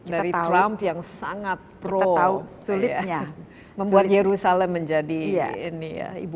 dari trump yang sangat pro membuat yerusalem menjadi ibu kota dari israel